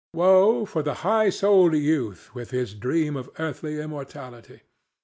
Woe for the high souled youth with his dream of earthly immortality!